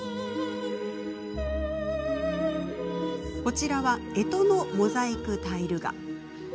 こちらはえとのモザイクタイル画。